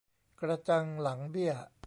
กระจังหลังเบี้ย